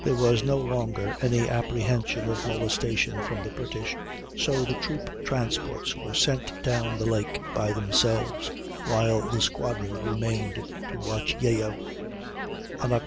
There was no longer any apprehension of molestation from the British, so the troop transports were sent down the lake by themselves, while the squadron remained to watch Yeo. On Oct.